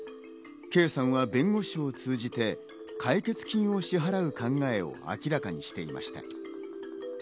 圭さんは弁護士を通じて、解決金を支払う考えを明らかにしていました。